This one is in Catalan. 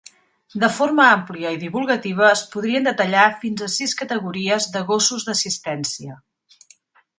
De forma àmplia i divulgativa es podrien detallar fins a sis categories de gossos d'assistència.